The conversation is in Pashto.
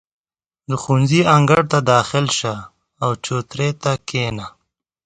• د ښوونځي انګړ ته داخل شه، او چوترې ته کښېنه.